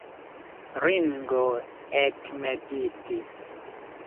Ringo ekmeditis.